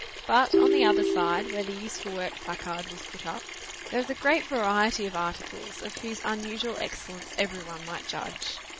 But, on the other side, where the Useful Work placard was put up, there was a great variety of articles, of whose unusual excellence every one might judge.